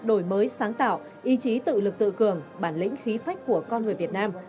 đổi mới sáng tạo ý chí tự lực tự cường bản lĩnh khí phách của con người việt nam